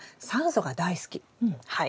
はい。